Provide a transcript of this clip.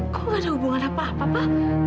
kok gak ada hubungan apa apa pak